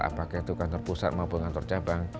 apakah itu kantor pusat maupun kantor cabang